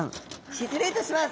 失礼いたします。